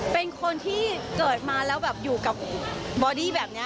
เป็นคนที่เกิดมาแล้วแบบอยู่กับบอดี้แบบนี้